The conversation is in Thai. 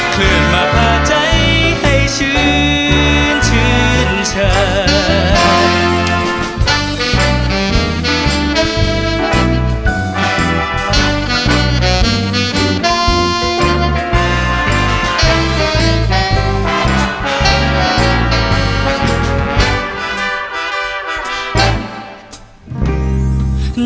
เคลื่อนมาพาใจให้ชื้นชื่นเฉิน